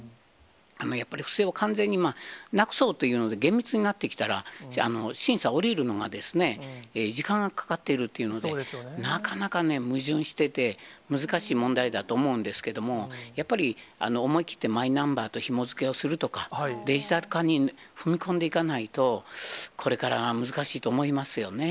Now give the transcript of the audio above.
やっぱり不正を完全になくそうというので、厳密になってきたら、審査降りるのが、時間がかかっているというので、なかなかね、矛盾してて、難しい問題だと思うんですけれども、やっぱり思い切って、マイナンバーとひもづけをするとか、デジタル化に踏み込んでいかないと、これから難しいと思いますよね。